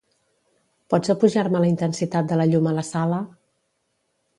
Pots apujar-me la intensitat de la llum a la sala?